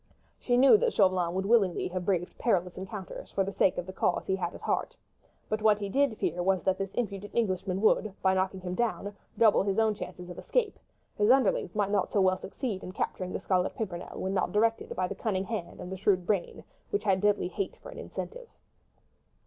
She knew that Chauvelin would willingly have braved perilous encounters for the sake of the cause he had at heart, but what he did fear was that this impudent Englishman would, by knocking him down, double his own chances of escape; his underlings might not succeed so well in capturing the Scarlet Pimpernel, when not directed by the cunning hand and the shrewd brain, which had deadly hate for an incentive.